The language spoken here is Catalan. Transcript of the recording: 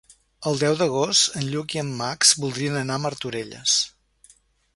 El deu d'agost en Lluc i en Max voldrien anar a Martorelles.